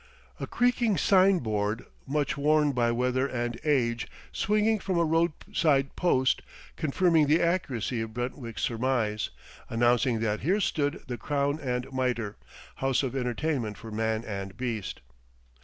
A creaking sign board, much worn by weather and age, swinging from a roadside post, confirmed the accuracy of Brentwick's surmise, announcing that here stood the Crown and Mitre, house of entertainment for man and beast.